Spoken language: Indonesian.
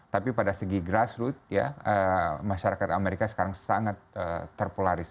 tapi pada segi grassroot ya masyarakat amerika sekarang sangat terpolarisasi